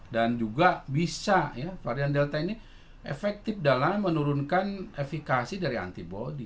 dan juga bisa varian delta ini efektif dalam menurunkan efekasi dari antibody